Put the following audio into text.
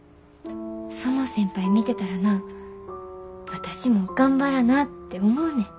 その先輩見てたらな私も頑張らなて思うねん。